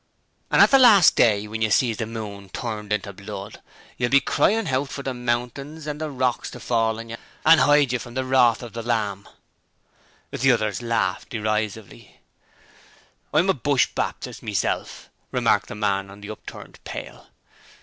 'And at the Last Day, when yer sees the moon turned inter Blood, you'll be cryin' hout for the mountings and the rocks to fall on yer and 'ide yer from the wrath of the Lamb!' The others laughed derisively. 'I'm a Bush Baptist meself,' remarked the man on the upturned pail.